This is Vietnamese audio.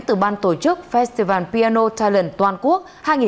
từ ban tổ chức festival piano talent toàn quốc hai nghìn hai mươi bốn